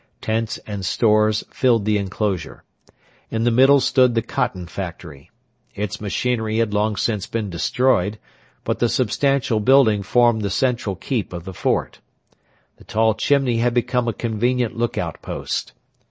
Tents and stores filled the enclosure. In the middle stood the cotton factory. Its machinery had long since been destroyed, but the substantial building formed the central keep of the fort. The tall chimney had become a convenient look out post.